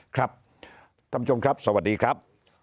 ครับท่านผู้ชมครับสวัสดีครับ